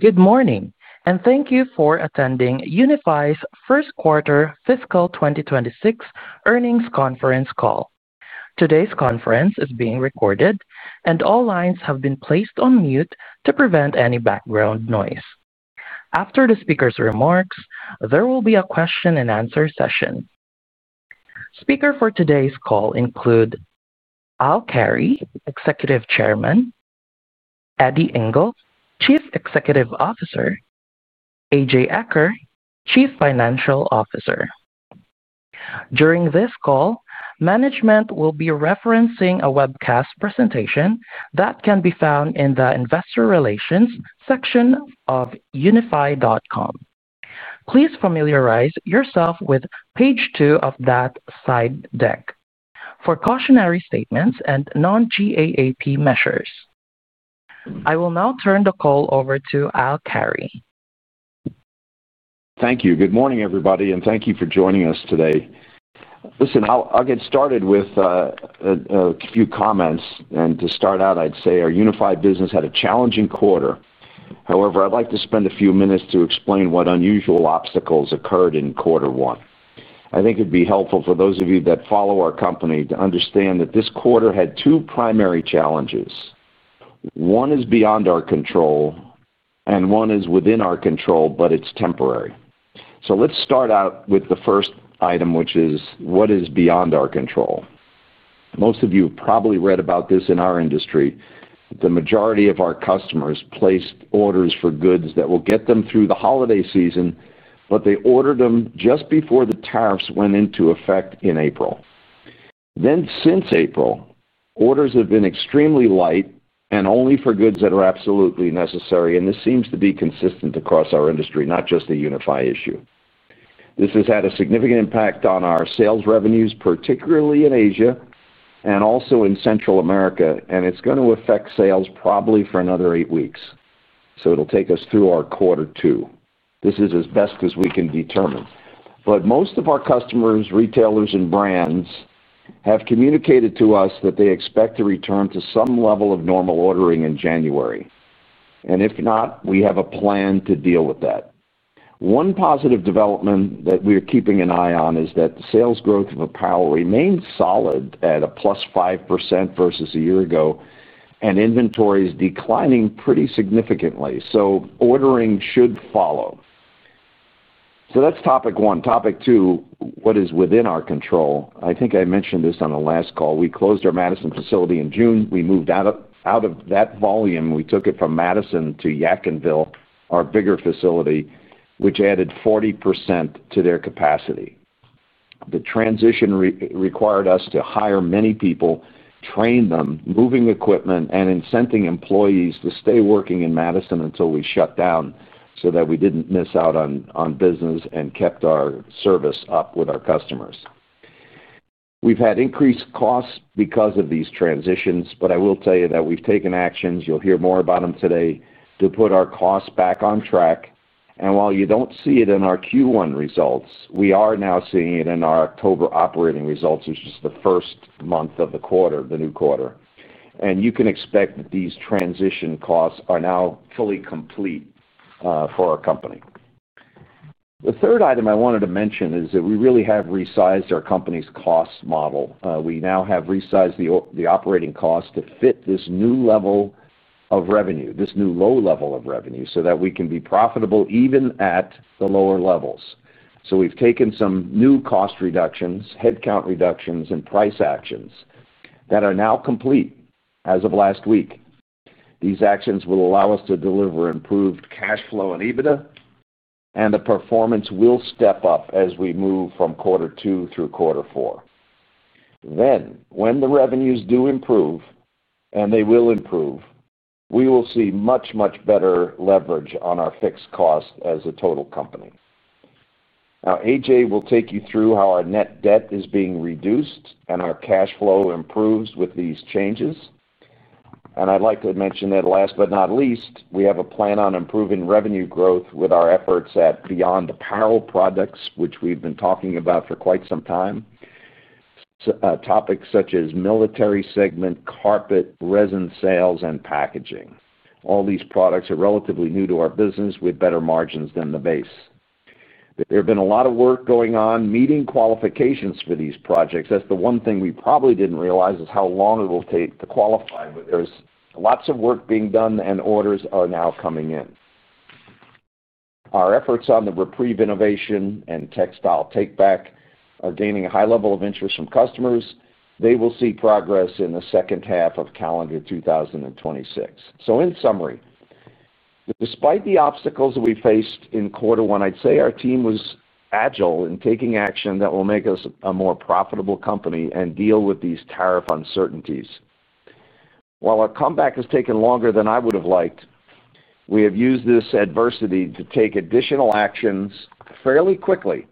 Good morning, and thank you for attending Unifi's first quarter fiscal 2026 earnings conference call. Today's conference is being recorded, and all lines have been placed on mute to prevent any background noise. After the speakers' remarks, there will be a question-and-answer session. Speakers for today's call include Al Carey, Executive Chairman, Eddie Ingle, Chief Executive Officer, and A.J. Eaker, Chief Financial Officer. During this call, management will be referencing a webcast presentation that can be found in the Investor Relations section of unifi.com. Please familiarize yourself with page two of that slide deck for cautionary statements and Non-GAAP measures. I will now turn the call over to Al Carey. Thank you. Good morning, everybody, and thank you for joining us today. Listen, I'll get started with a few comments. To start out, I'd say our Unifi business had a challenging quarter. However, I'd like to spend a few minutes to explain what unusual obstacles occurred in quarter one. I think it'd be helpful for those of you that follow our company to understand that this quarter had two primary challenges. One is beyond our control, and one is within our control, but it's temporary. Let's start out with the first item, which is what is beyond our control. Most of you have probably read about this in our industry. The majority of our customers placed orders for goods that will get them through the holiday season, but they ordered them just before the tariffs went into effect in April. Since April, orders have been extremely light and only for goods that are absolutely necessary. This seems to be consistent across our industry, not just a Unifi issue. This has had a significant impact on our sales revenues, particularly in Asia and also in Central America. It is going to affect sales probably for another eight weeks. It will take us through our quarter two. This is as best as we can determine. Most of our customers, retailers, and brands have communicated to us that they expect to return to some level of normal ordering in January. If not, we have a plan to deal with that. One positive development that we are keeping an eye on is that the sales growth of apparel remains solid at a +5% versus a year ago, and inventory is declining pretty significantly. Ordering should follow. That is topic one. Topic two, what is within our control. I think I mentioned this on the last call. We closed our Madison facility in June. We moved out of that volume. We took it from Madison to Yadkinville, our bigger facility, which added 40% to their capacity. The transition required us to hire many people, train them, move equipment, and incent employees to stay working in Madison until we shut down so that we did not miss out on business and kept our service up with our customers. We have had increased costs because of these transitions, but I will tell you that we have taken actions—you will hear more about them today—to put our costs back on track. While you do not see it in our Q1 results, we are now seeing it in our October operating results, which is the first month of the quarter, the new quarter. You can expect that these transition costs are now fully complete for our company. The third item I wanted to mention is that we really have resized our company's cost model. We now have resized the operating cost to fit this new level of revenue, this new low level of revenue, so that we can be profitable even at the lower levels. We have taken some new cost reductions, headcount reductions, and price actions that are now complete as of last week. These actions will allow us to deliver improved cash flow and EBITDA, and the performance will step up as we move from quarter two through quarter four. When the revenues do improve, and they will improve, we will see much, much better leverage on our fixed costs as a total company. Now, A.J. will take you through how our net debt is being reduced and our cash flow improves with these changes. I would like to mention that last but not least, we have a plan on improving revenue growth with our efforts at beyond apparel products, which we have been talking about for quite some time. Topics such as military segment, carpet, resin sales, and packaging. All these products are relatively new to our business with better margins than the base. There has been a lot of work going on, meeting qualifications for these projects. That is the one thing we probably did not realize is how long it will take to qualify. There is lots of work being done, and orders are now coming in. Our efforts on the REPREVE innovation and Textile Takeback are gaining a high level of interest from customers. They will see progress in the second half of calendar 2026. In summary. Despite the obstacles that we faced in quarter one, I'd say our team was agile in taking action that will make us a more profitable company and deal with these tariff uncertainties. While our comeback has taken longer than I would have liked, we have used this adversity to take additional actions fairly quickly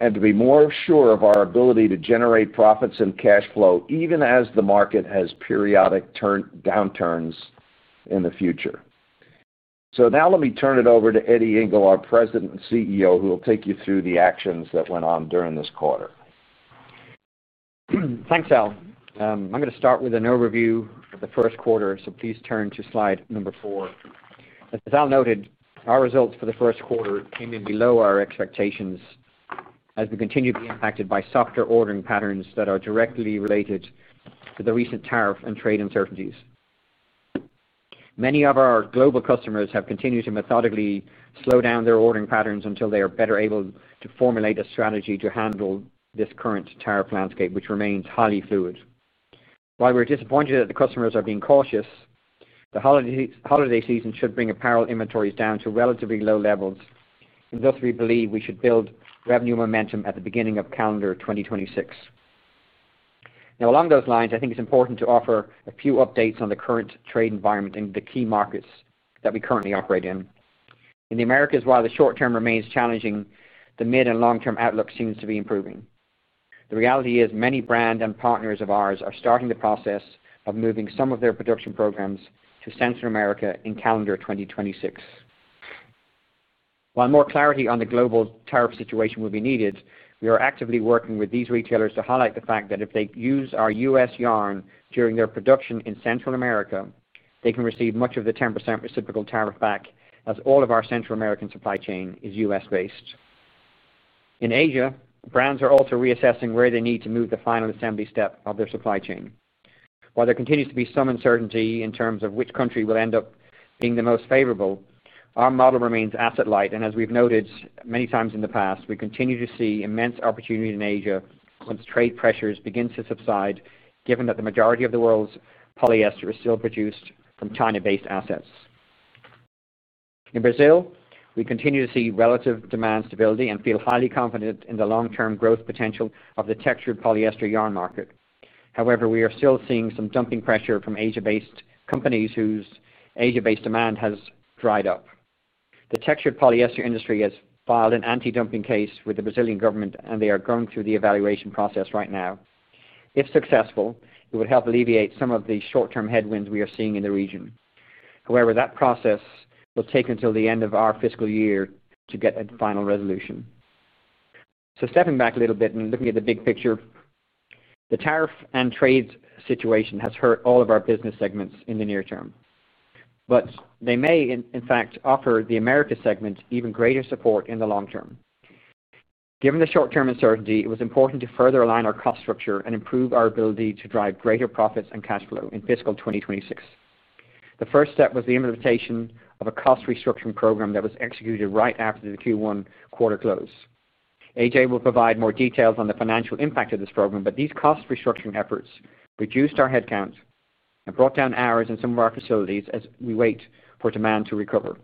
and to be more sure of our ability to generate profits and cash flow even as the market has periodic downturns in the future. Now let me turn it over to Eddie Ingle, our President and CEO, who will take you through the actions that went on during this quarter. Thanks, Al. I'm going to start with an overview of the first quarter, so please turn to slide number four. As Al noted, our results for the first quarter came in below our expectations. As we continue to be impacted by softer ordering patterns that are directly related to the recent tariff and trade uncertainties. Many of our global customers have continued to methodically slow down their ordering patterns until they are better able to formulate a strategy to handle this current tariff landscape, which remains highly fluid. While we're disappointed that the customers are being cautious, the holiday season should bring apparel inventories down to relatively low levels. Thus, we believe we should build revenue momentum at the beginning of calendar 2026. Now, along those lines, I think it's important to offer a few updates on the current trade environment and the key markets that we currently operate in. In the Americas, while the short term remains challenging, the mid and long-term outlook seems to be improving. The reality is many brands and partners of ours are starting the process of moving some of their production programs to Central America in calendar 2026. While more clarity on the global tariff situation will be needed, we are actively working with these retailers to highlight the fact that if they use our U.S. yarn during their production in Central America, they can receive much of the 10% reciprocal tariff back, as all of our Central American supply chain is U.S.-based. In Asia, brands are also reassessing where they need to move the final assembly step of their supply chain. While there continues to be some uncertainty in terms of which country will end up being the most favorable, our model remains asset-light. As we've noted many times in the past, we continue to see immense opportunity in Asia once trade pressures begin to subside, given that the majority of the world's polyester is still produced from China-based assets. In Brazil, we continue to see relative demand stability and feel highly confident in the long-term growth potential of the textured polyester yarn market. However, we are still seeing some dumping pressure from Asia-based companies whose Asia-based demand has dried up. The textured polyester industry has filed an anti-dumping case with the Brazilian government, and they are going through the evaluation process right now. If successful, it would help alleviate some of the short-term headwinds we are seeing in the region. However, that process will take until the end of our fiscal year to get a final resolution. Stepping back a little bit and looking at the big picture. The tariff and trade situation has hurt all of our business segments in the near term, but they may, in fact, offer the Americas segment even greater support in the long term. Given the short-term uncertainty, it was important to further align our cost structure and improve our ability to drive greater profits and cash flow in fiscal 2026. The first step was the implementation of a cost restructuring program that was executed right after the Q1 quarter close. A.J. will provide more details on the financial impact of this program, but these cost restructuring efforts reduced our headcount and brought down hours in some of our facilities as we wait for demand to recover.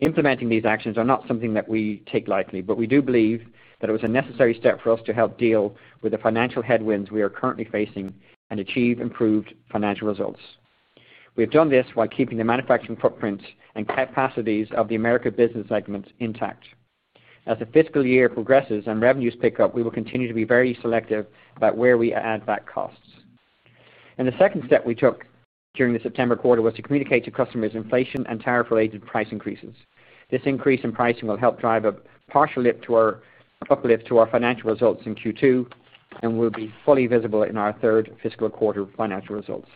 Implementing these actions are not something that we take lightly, but we do believe that it was a necessary step for us to help deal with the financial headwinds we are currently facing and achieve improved financial results. We have done this while keeping the manufacturing footprint and capacities of the Americas business segment intact. As the fiscal year progresses and revenues pick up, we will continue to be very selective about where we add back costs. The second step we took during the September quarter was to communicate to customers inflation and tariff-related price increases. This increase in pricing will help drive a partial uplift to our financial results in Q2 and will be fully visible in our third fiscal quarter financial results.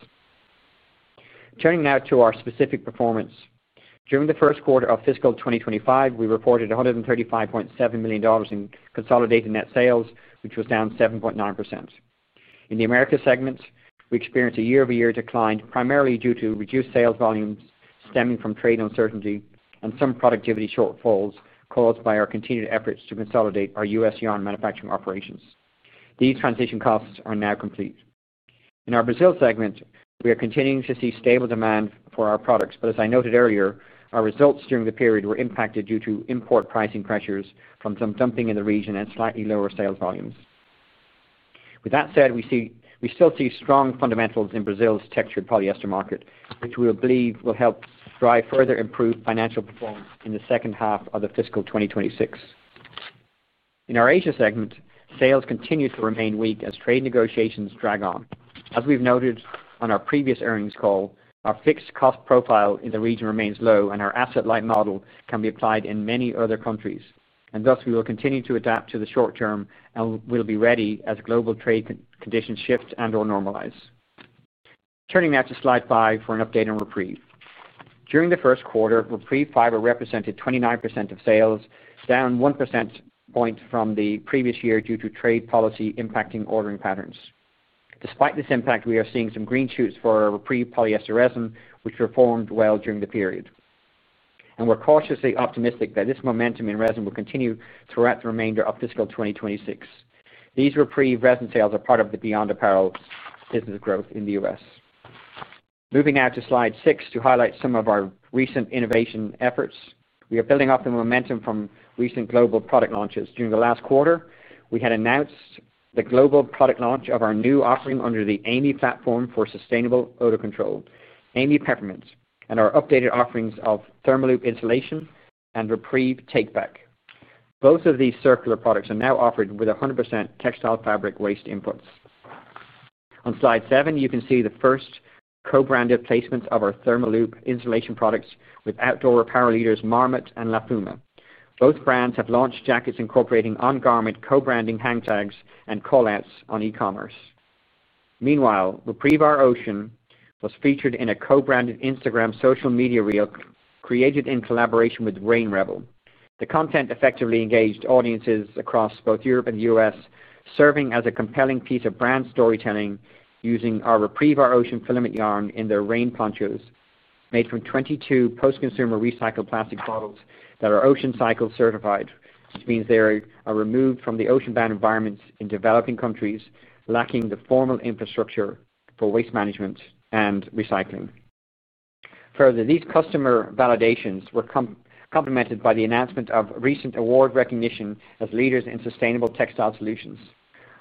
Turning now to our specific performance. During the first quarter of fiscal 2025, we reported $135.7 million in consolidated net sales, which was down 7.9%. In the Americas segment, we experienced a year-over-year decline primarily due to reduced sales volumes stemming from trade uncertainty and some productivity shortfalls caused by our continued efforts to consolidate our U.S. yarn manufacturing operations. These transition costs are now complete. In our Brazil segment, we are continuing to see stable demand for our products. As I noted earlier, our results during the period were impacted due to import pricing pressures from some dumping in the region and slightly lower sales volumes. That said, we still see strong fundamentals in Brazil's textured polyester market, which we believe will help drive further improved financial performance in the second half of fiscal 2026. In our Asia segment, sales continue to remain weak as trade negotiations drag on. As we have noted on our previous earnings call, our fixed cost profile in the region remains low, and our asset-light model can be applied in many other countries. Thus, we will continue to adapt to the short term and will be ready as global trade conditions shift and/or normalize. Turning now to slide five for an update on REPREVE. During the first quarter, REPREVE fiber represented 29% of sales, down 1% point from the previous year due to trade policy impacting ordering patterns. Despite this impact, we are seeing some green shoots for REPREVE polyester resin, which performed well during the period. We are cautiously optimistic that this momentum in resin will continue throughout the remainder of fiscal 2026. These REPREVE resin sales are part of the beyond apparel business growth in the U.S. Moving now to slide six to highlight some of our recent innovation efforts. We are building up the momentum from recent global product launches. During the last quarter, we had announced the global product launch of our new offering under the AMY platform for sustainable odor control, AMY Peppermint, and our updated offerings of ThermaLoop insulation and REPREVE Take-Back. Both of these circular products are now offered with 100% textile fabric waste inputs. On slide seven, you can see the first co-branded placements of our ThermaLoop insulation products with outdoor apparel leaders Marmot and Lafuma. Both brands have launched jackets incorporating on-garment co-branding hashtags and callouts on e-commerce. Meanwhile, REPREVE Our Ocean was featured in a co-branded Instagram social media reel created in collaboration with RAINREBEL. The content effectively engaged audiences across both Europe and the U.S., serving as a compelling piece of brand storytelling using our REPREVE Ocean filament yarn in their rain ponchos made from 22 post-consumer recycled plastic bottles that are Ocean Cycle certified, which means they are removed from the ocean-bound environments in developing countries lacking the formal infrastructure for waste management and recycling. Further, these customer validations were complemented by the announcement of recent award recognition as leaders in sustainable textile solutions.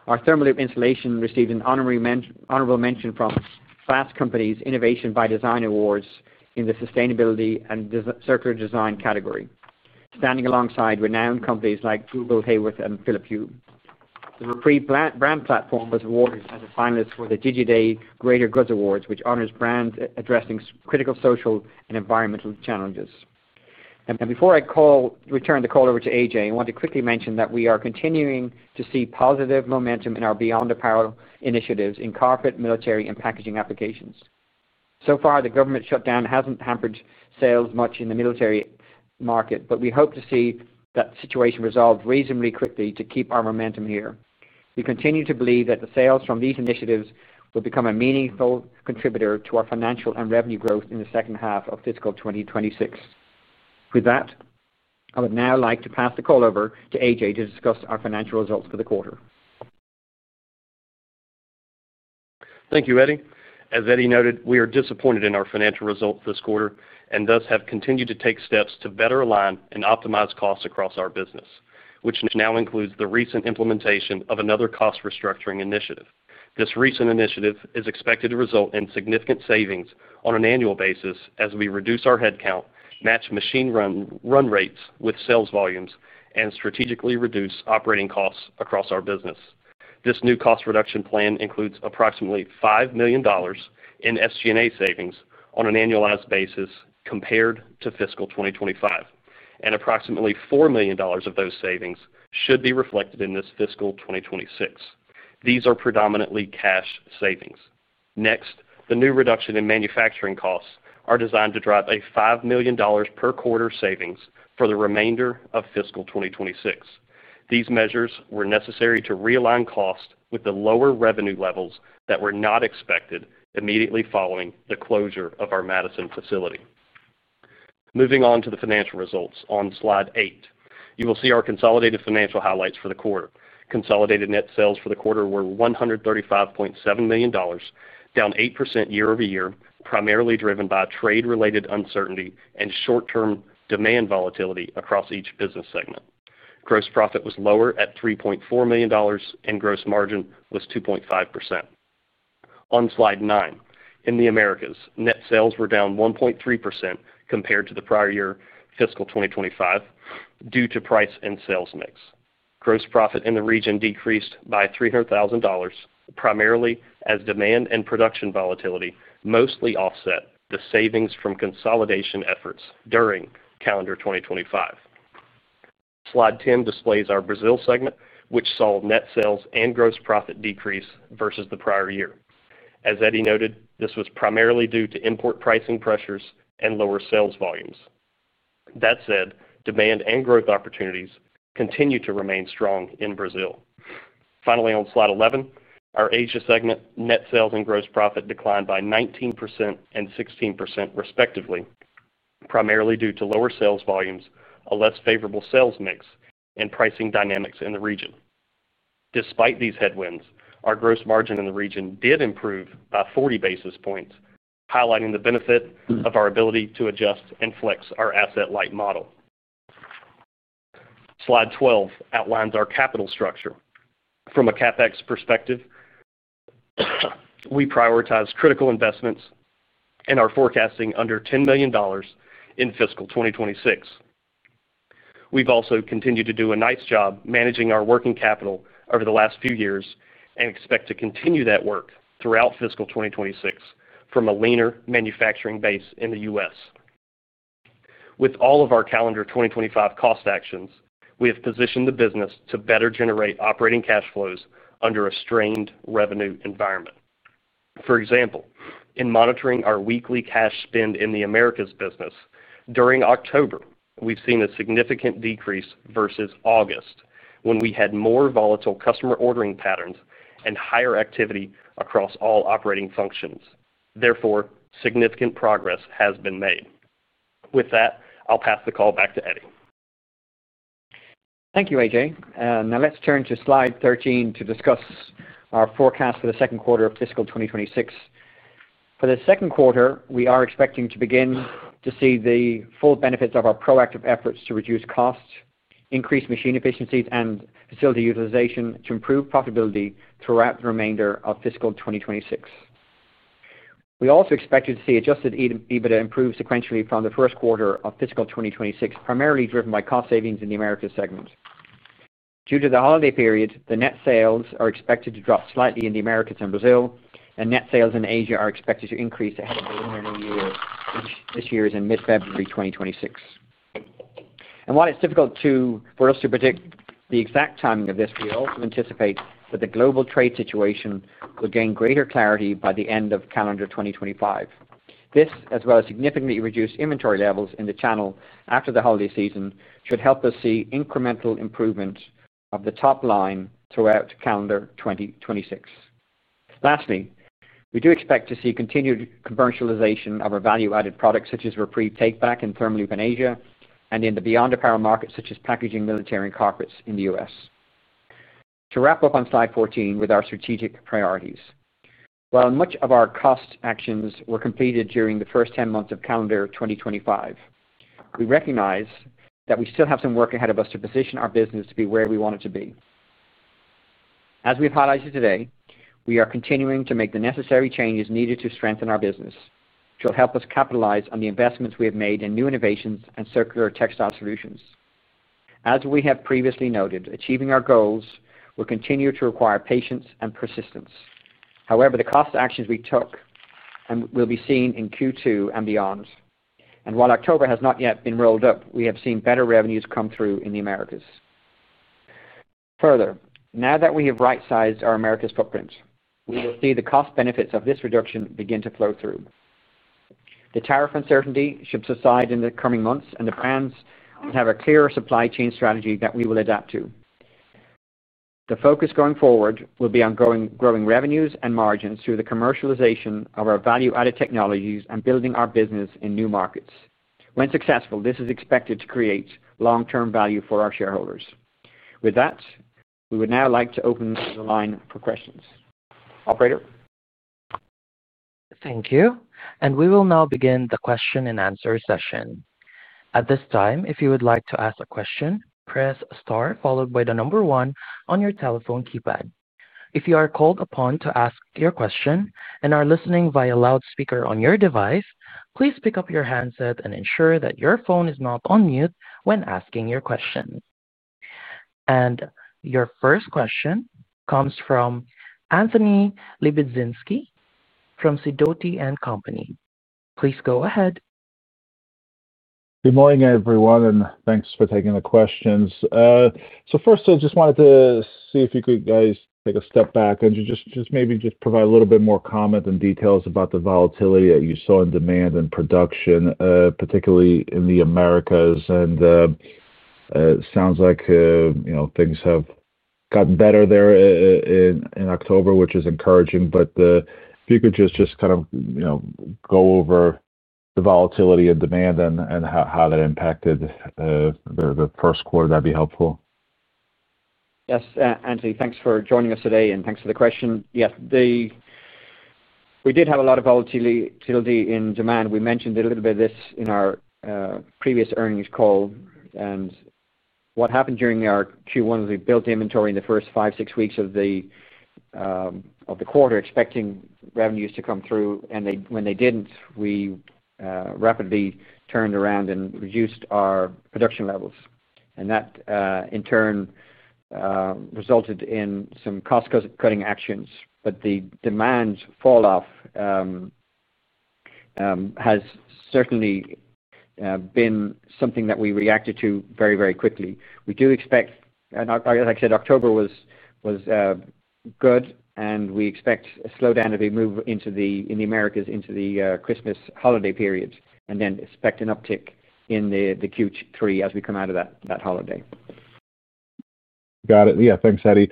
Our ThermaLoop insulation received an honorable mention from Fast Company's Innovation by Design Awards in the Sustainability and Circular Design category, standing alongside renowned companies like Google, Haworth, and Philips Hue. The REPREVE brand platform was awarded as a finalist for the DigiDay Greater Goods Awards, which honors brands addressing critical social and environmental challenges. Before I return the call over to A.J., I want to quickly mention that we are continuing to see positive momentum in our beyond apparel initiatives in carpet, military, and packaging applications. So far, the government shutdown has not hampered sales much in the military market, but we hope to see that situation resolve reasonably quickly to keep our momentum here. We continue to believe that the sales from these initiatives will become a meaningful contributor to our financial and revenue growth in the second half of fiscal 2026. With that, I would now like to pass the call over to A.J. to discuss our financial results for the quarter. Thank you, Eddie. As Eddie noted, we are disappointed in our financial results this quarter and thus have continued to take steps to better align and optimize costs across our business, which now includes the recent implementation of another cost restructuring initiative. This recent initiative is expected to result in significant savings on an annual basis as we reduce our headcount, match machine run rates with sales volumes, and strategically reduce operating costs across our business. This new cost reduction plan includes approximately $5 million in SG&A savings on an annualized basis compared to fiscal 2025, and approximately $4 million of those savings should be reflected in this fiscal 2026. These are predominantly cash savings. Next, the new reduction in manufacturing costs is designed to drive a $5 million per quarter savings for the remainder of fiscal 2026. These measures were necessary to realign costs with the lower revenue levels that were not expected immediately following the closure of our Madison facility. Moving on to the financial results on slide eight, you will see our consolidated financial highlights for the quarter. Consolidated net sales for the quarter were $135.7 million, down 8% year-over-year, primarily driven by trade-related uncertainty and short-term demand volatility across each business segment. Gross profit was lower at $3.4 million, and gross margin was 2.5%. On slide nine, in the Americas, net sales were down 1.3% compared to the prior year, fiscal 2025, due to price and sales mix. Gross profit in the region decreased by $300,000, primarily as demand and production volatility mostly offset the savings from consolidation efforts during calendar 2025. Slide 10 displays our Brazil segment, which saw net sales and gross profit decrease versus the prior year. As Eddie noted, this was primarily due to import pricing pressures and lower sales volumes. That said, demand and growth opportunities continue to remain strong in Brazil. Finally, on slide 11, our Asia segment net sales and gross profit declined by 19% and 16%, respectively, primarily due to lower sales volumes, a less favorable sales mix, and pricing dynamics in the region. Despite these headwinds, our gross margin in the region did improve by 40 basis points, highlighting the benefit of our ability to adjust and flex our asset-light model. Slide 12 outlines our capital structure. From a CapEx perspective, we prioritize critical investments and are forecasting under $10 million in fiscal 2026. We have also continued to do a nice job managing our working capital over the last few years and expect to continue that work throughout fiscal 2026 from a leaner manufacturing base in the U.S. With all of our calendar 2025 cost actions, we have positioned the business to better generate operating cash flows under a strained revenue environment. For example, in monitoring our weekly cash spend in the Americas business during October, we've seen a significant decrease versus August when we had more volatile customer ordering patterns and higher activity across all operating functions. Therefore, significant progress has been made. With that, I'll pass the call back to Eddie. Thank you, A.J. Now let's turn to slide 13 to discuss our forecast for the second quarter of fiscal 2026. For the second quarter, we are expecting to begin to see the full benefits of our proactive efforts to reduce costs, increase machine efficiencies, and facility utilization to improve profitability throughout the remainder of fiscal 2026. We also expect to see Adjusted EBITDA improve sequentially from the first quarter of fiscal 2026, primarily driven by cost savings in the Americas segment. Due to the holiday period, the net sales are expected to drop slightly in the Americas and Brazil, and net sales in Asia are expected to increase ahead of the remainder of the year, which this year is in mid-February 2026. While it's difficult for us to predict the exact timing of this, we also anticipate that the global trade situation will gain greater clarity by the end of calendar 2025. This, as well as significantly reduced inventory levels in the channel after the holiday season, should help us see incremental improvement of the top line throughout calendar 2026. Lastly, we do expect to see continued commercialization of our value-added products such as REPREVE Take-Back and ThermaLoop in Asia and in the beyond apparel market such as packaging, military, and carpets in the U.S. To wrap up on slide 14 with our strategic priorities. While much of our cost actions were completed during the first 10 months of calendar 2025, we recognize that we still have some work ahead of us to position our business to be where we want it to be. As we've highlighted today, we are continuing to make the necessary changes needed to strengthen our business, which will help us capitalize on the investments we have made in new innovations and circular textile solutions. As we have previously noted, achieving our goals will continue to require patience and persistence. However, the cost actions we took will be seen in Q2 and beyond. While October has not yet been rolled up, we have seen better revenues come through in the Americas. Further, now that we have right-sized our Americas footprint, we will see the cost benefits of this reduction begin to flow through. The tariff uncertainty should subside in the coming months, and the brands will have a clearer supply chain strategy that we will adapt to. The focus going forward will be on growing revenues and margins through the commercialization of our value-added technologies and building our business in new markets. When successful, this is expected to create long-term value for our shareholders. With that, we would now like to open the line for questions. Operator. Thank you. We will now begin the question-and-answer session. At this time, if you would like to ask a question, press star followed by the number one on your telephone keypad. If you are called upon to ask your question and are listening via loudspeaker on your device, please pick up your handset and ensure that your phone is not on mute when asking your question. Your first question comes from Anthony Lebiedzinski from Sidoti & Company. Please go ahead. Good morning, everyone, and thanks for taking the questions. First, I just wanted to see if you guys could take a step back and maybe just provide a little bit more comment and details about the volatility that you saw in demand and production, particularly in the Americas. It sounds like things have gotten better there in October, which is encouraging. If you could just kind of go over the volatility in demand and how that impacted the first quarter, that'd be helpful. Yes, Anthony, thanks for joining us today, and thanks for the question. Yes, we did have a lot of volatility in demand. We mentioned a little bit of this in our previous earnings call. What happened during our Q1 was we built inventory in the first five, six weeks of the quarter, expecting revenues to come through. When they did not, we rapidly turned around and reduced our production levels. That, in turn, resulted in some cost-cutting actions. The demand falloff has certainly been something that we reacted to very, very quickly. We do expect, and like I said, October was good, and we expect a slowdown as we move into the Americas into the Christmas holiday period and then expect an uptick in the Q3 as we come out of that holiday. Got it. Yeah, thanks, Eddie.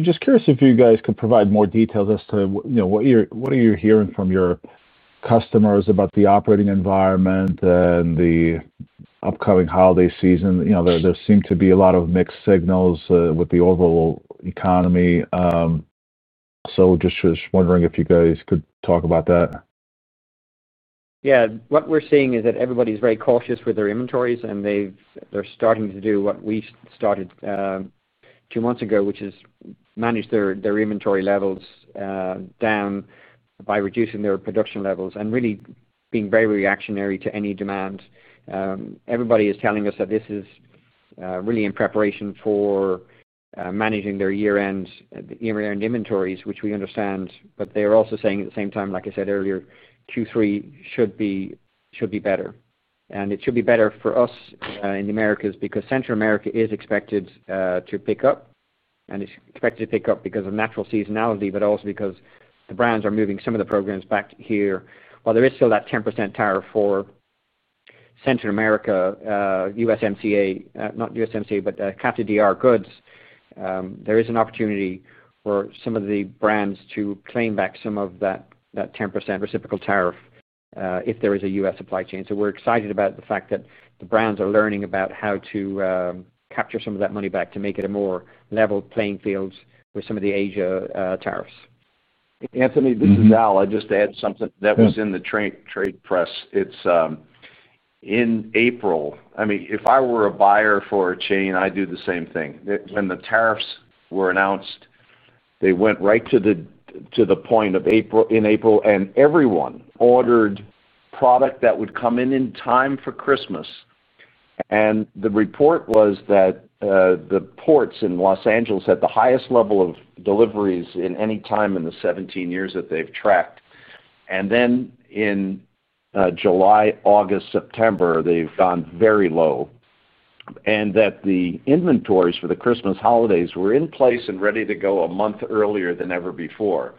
Just curious if you guys could provide more details as to what are you hearing from your customers about the operating environment and the upcoming holiday season. There seem to be a lot of mixed signals with the overall economy. Just wondering if you guys could talk about that. Yeah. What we're seeing is that everybody's very cautious with their inventories, and they're starting to do what we started two months ago, which is manage their inventory levels down by reducing their production levels and really being very, very actionary to any demand. Everybody is telling us that this is really in preparation for managing their year-end inventories, which we understand. They are also saying at the same time, like I said earlier, Q3 should be better. It should be better for us in the Americas because Central America is expected to pick up, and it's expected to pick up because of natural seasonality, but also because the brands are moving some of the programs back here. While there is still that 10% tariff for Central America, USMCA, not USMCA, but CAFTA-DR goods. There is an opportunity for some of the brands to claim back some of that 10% reciprocal tariff if there is a U.S. supply chain. We are excited about the fact that the brands are learning about how to capture some of that money back to make it a more level playing field with some of the Asia tariffs. Anthony, this is Al. I just add something that was in the trade press. In April, I mean, if I were a buyer for a chain, I'd do the same thing. When the tariffs were announced, they went right to the point of April, in April, and everyone ordered product that would come in in time for Christmas. The report was that the ports in Los Angeles had the highest level of deliveries in any time in the 17 years that they've tracked. In July, August, September, they've gone very low. The inventories for the Christmas holidays were in place and ready to go a month earlier than ever before.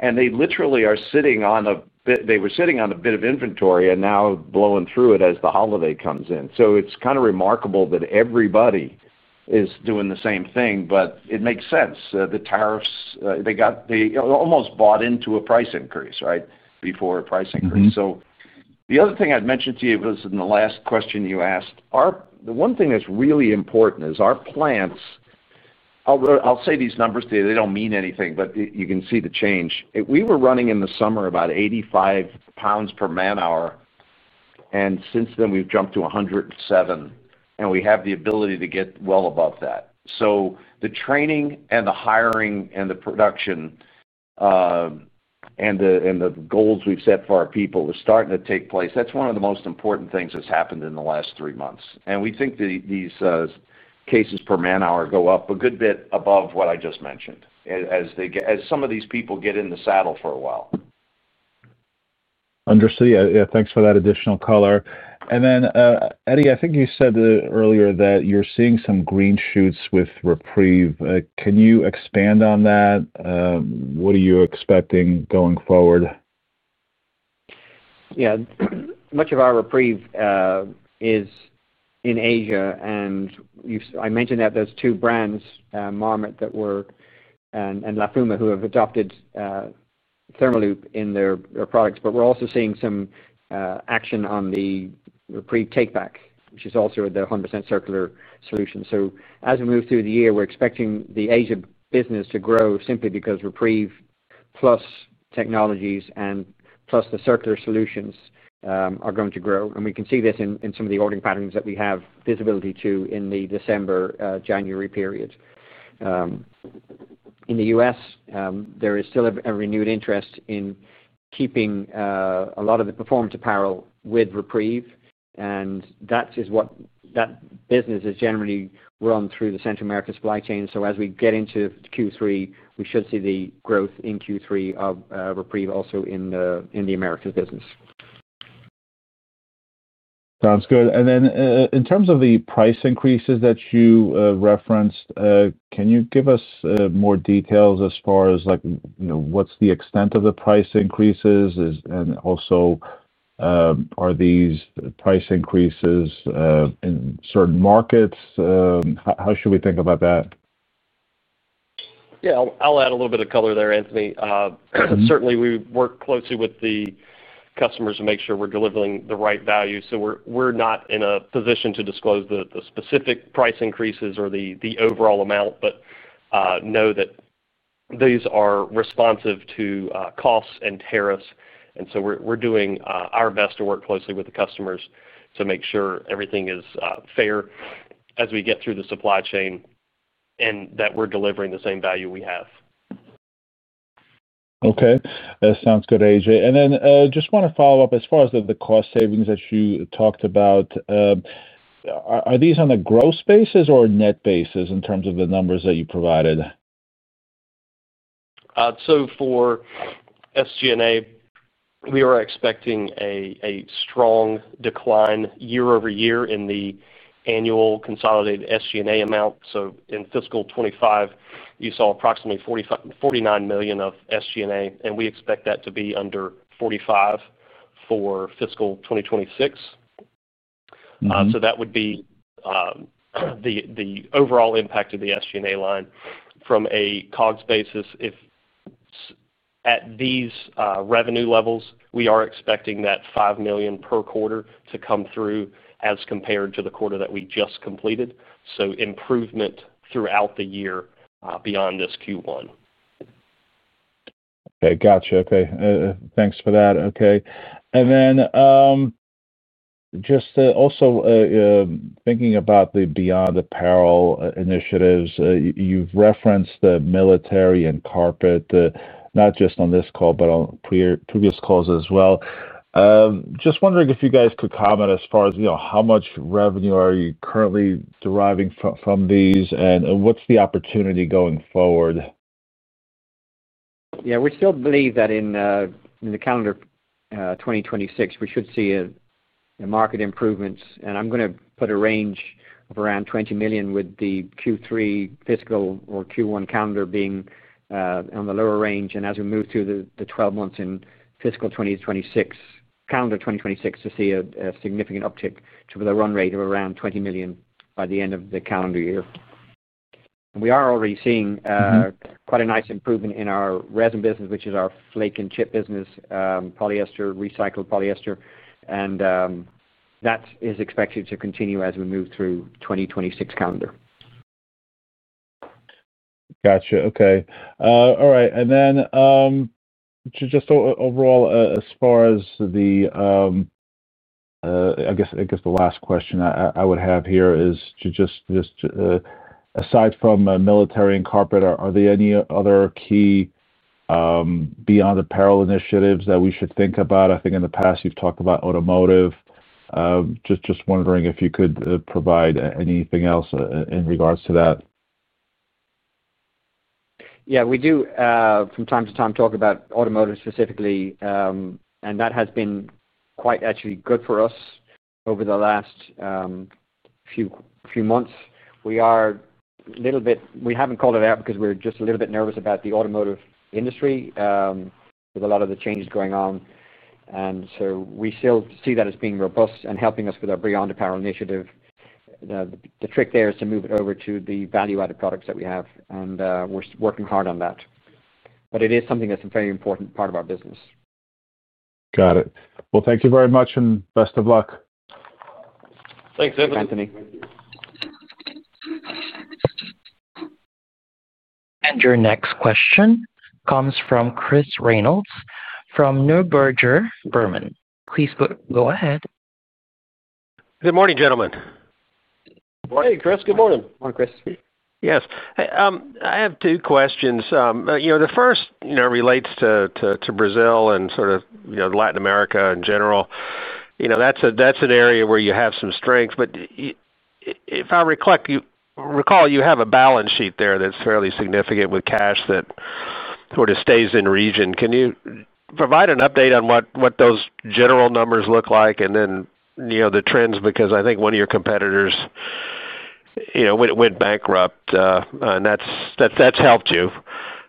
They literally are sitting on a bit, they were sitting on a bit of inventory and now blowing through it as the holiday comes in. It is kind of remarkable that everybody is doing the same thing, but it makes sense. The tariffs, they almost bought into a price increase, right, before a price increase. The other thing I mentioned to you was in the last question you asked, the one thing that is really important is our plants. I will say these numbers to you. They do not mean anything, but you can see the change. We were running in the summer about 85 pounds per man-hour. Since then, we have jumped to 107, and we have the ability to get well above that. The training and the hiring and the production, and the goals we have set for our people are starting to take place. That is one of the most important things that has happened in the last three months. We think these. Cases per man-hour go up a good bit above what I just mentioned as some of these people get in the saddle for a while. Understood. Yeah. Thanks for that additional color. Eddie, I think you said earlier that you're seeing some green shoots with REPREVE. Can you expand on that? What are you expecting going forward? Yeah. Much of our REPREVE is in Asia. I mentioned that there are two brands, Marmot and Lafuma, who have adopted ThermaLoop in their products. We are also seeing some action on the REPREVE Take-Back, which is also the 100% circular solution. As we move through the year, we are expecting the Asia business to grow simply because REPREVE plus technologies and plus the circular solutions are going to grow. We can see this in some of the ordering patterns that we have visibility to in the December-January period. In the U.S., there is still a renewed interest in keeping a lot of the performance apparel with REPREVE. That business is generally run through the Central America supply chain. As we get into Q3, we should see the growth in Q3 of REPREVE also in the Americas business. Sounds good. In terms of the price increases that you referenced, can you give us more details as far as what's the extent of the price increases? Also, are these price increases in certain markets? How should we think about that? Yeah. I'll add a little bit of color there, Anthony. Certainly, we work closely with the customers to make sure we're delivering the right value. We are not in a position to disclose the specific price increases or the overall amount, but know that these are responsive to costs and tariffs. We are doing our best to work closely with the customers to make sure everything is fair as we get through the supply chain and that we're delivering the same value we have. Okay. That sounds good, A.J. And then just want to follow up as far as the cost savings that you talked about. Are these on a gross basis or a net basis in terms of the numbers that you provided? For SG&A, we are expecting a strong decline year-over-year in the Annual Consolidated SG&A amount. In fiscal 2025, you saw approximately $49 million of SG&A, and we expect that to be under $45 million for fiscal 2026. That would be the overall impact of the SG&A line from a COGS basis. At these revenue levels, we are expecting that $5 million per quarter to come through as compared to the quarter that we just completed. Improvement throughout the year beyond this Q1. Okay. Gotcha. Okay. Thanks for that. Okay. And then just also thinking about the beyond apparel initiatives, you've referenced the military and carpet, not just on this call, but on previous calls as well. Just wondering if you guys could comment as far as how much revenue are you currently deriving from these and what's the opportunity going forward? Yeah. We still believe that in the calendar 2026, we should see market improvements. I'm going to put a range of around $20 million with the Q3 fiscal or Q1 calendar being on the lower range. As we move through the 12 months in fiscal 2026, calendar 2026, we expect to see a significant uptick to the run rate of around $20 million by the end of the calendar year. We are already seeing quite a nice improvement in our resin business, which is our flake and chip business, polyester, recycled polyester. That is expected to continue as we move through the 2026 calendar. Gotcha. Okay. All right. Just overall, as far as the, I guess the last question I would have here is just, aside from military and corporate, are there any other key, beyond apparel initiatives that we should think about? I think in the past, you've talked about automotive. Just wondering if you could provide anything else in regards to that. Yeah. We do, from time to time, talk about automotive specifically. That has been quite actually good for us over the last few months. We are a little bit, we have not called it out because we are just a little bit nervous about the automotive industry, with a lot of the changes going on. We still see that as being robust and helping us with our beyond apparel initiative. The trick there is to move it over to the value-added products that we have. We are working hard on that. It is something that is a very important part of our business. Got it. Thank you very much and best of luck. Thanks, Anthony. Your next question comes from Chris Reynolds from Neuberger Berman. Please go ahead. Good morning, gentlemen. Morning, Chris. Good morning. Morning, Chris. Yes. I have two questions. The first relates to Brazil and sort of Latin America in general. That's an area where you have some strength. If I recall, you have a balance sheet there that's fairly significant with cash that sort of stays in region. Can you provide an update on what those general numbers look like and then the trends? Because I think one of your competitors went bankrupt, and that's helped you.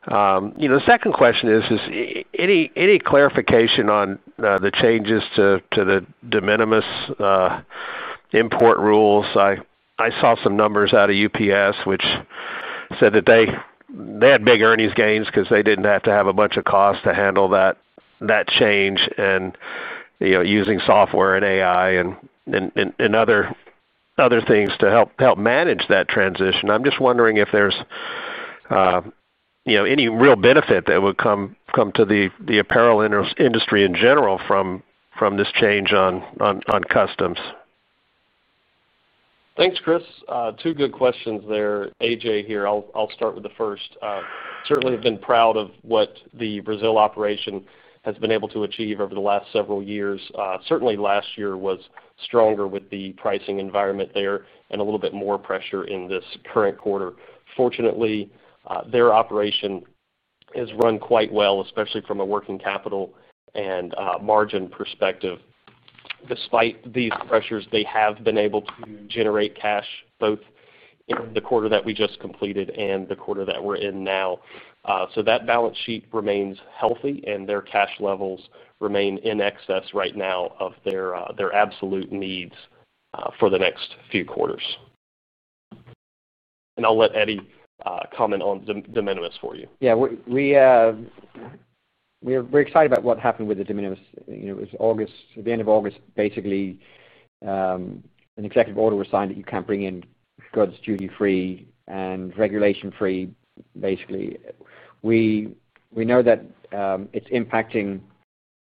The second question is, any clarification on the changes to the de minimis import rules? I saw some numbers out of UPS, which said that they had big earnings gains because they did not have to have a bunch of costs to handle that change and using software and AI and other things to help manage that transition. I'm just wondering if there's. Any real benefit that would come to the apparel industry in general from this change on customs? Thanks, Chris. Two good questions there. A.J. here. I'll start with the first. Certainly, I've been proud of what the Brazil operation has been able to achieve over the last several years. Certainly, last year was stronger with the pricing environment there and a little bit more pressure in this current quarter. Fortunately, their operation has run quite well, especially from a working capital and margin perspective. Despite these pressures, they have been able to generate cash both in the quarter that we just completed and the quarter that we're in now. That balance sheet remains healthy, and their cash levels remain in excess right now of their absolute needs for the next few quarters. I'll let Eddie comment on de minimis for you. Yeah. We're excited about what happened with the de minimis. It was August, the end of August, basically. An executive order was signed that you can't bring in goods duty-free and regulation-free, basically. We know that it's impacting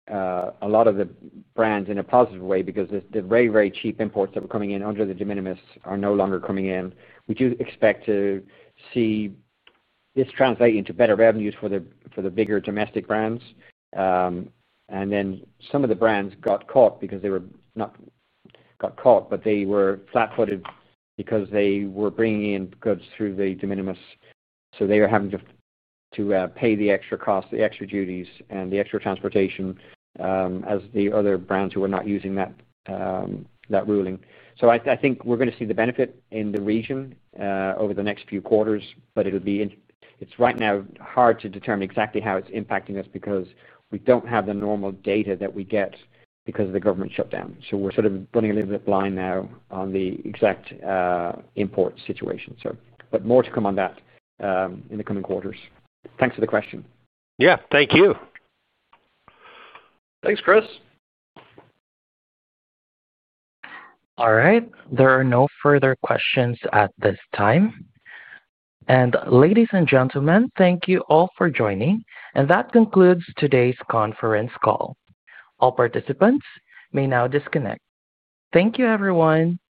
a lot of the brands in a positive way because the very, very cheap imports that were coming in under the de minimis are no longer coming in. We do expect to see this translate into better revenues for the bigger domestic brands. Some of the brands got caught because they were not, got caught, but they were flat-footed because they were bringing in goods through the de minimis. They were having to pay the extra costs, the extra duties, and the extra transportation as the other brands who were not using that ruling. I think we're going to see the benefit in the region over the next few quarters, but it'll be right now hard to determine exactly how it's impacting us because we don't have the normal data that we get because of the government shutdown. We're sort of running a little bit blind now on the exact import situation. More to come on that in the coming quarters. Thanks for the question. Yeah. Thank you. Thanks, Chris. All right. There are no further questions at this time. Ladies and gentlemen, thank you all for joining. That concludes today's conference call. All participants may now disconnect. Thank you, everyone.